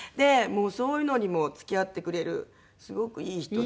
もうそういうのにも付き合ってくれるすごくいい人で。